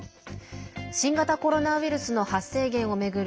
新型コロナウイルスの発生源を巡る